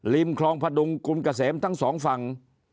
คลองพดุงกุมเกษมทั้งสองฝั่ง